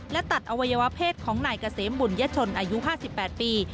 และตัดอวัยวะเพศของนายเกษมบุญยชนอายุ๕๘ปี